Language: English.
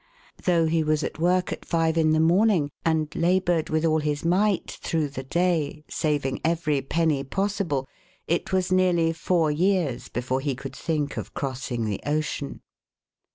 Though he was at work at five in the morning, and labored with 41 The Original John Jacob Astor all his might through the day, saving every penny pos sible, it was nearly four years before he could think of crossing the ocean.